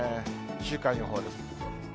週間予報です。